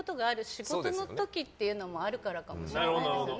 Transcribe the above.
仕事の時っていうのもあるかもしれないですね。